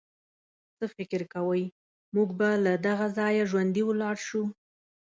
څه فکر کوئ، موږ به له دغه ځایه ژوندي ولاړ شو.